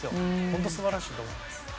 本当素晴らしいと思います。